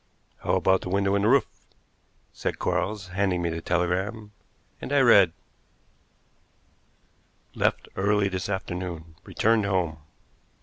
"How about the window in the roof?" said Quarles, handing me the telegram, and I read: "Left early this afternoon; returned home."